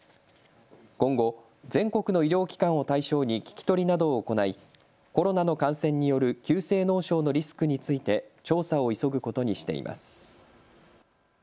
今後、全国の医療機関を対象に聞き取りなどを行いコロナの感染による急性脳症のリスクについて調査を急ぐことにしています。